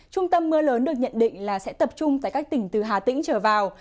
trung tâm mưa lớn được nhận định là sẽ tập trung tại các tỉnh từ hà tĩnh trở vào